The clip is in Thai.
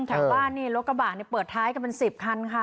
แต่ว่ารถกระบาดเปิดท้ายกันเป็น๑๐คันค่ะ